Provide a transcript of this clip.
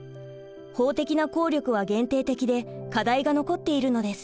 法的な効力は限定的で課題が残っているのです。